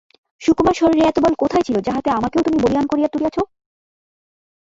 সুকুমার শরীরে এত বল কোথায় ছিল যাহাতে আমাকেও তুমি বলীয়ান করিয়া তুলিয়াছ?